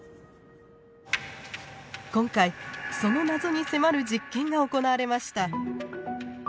今回その謎に迫る実験が行われました。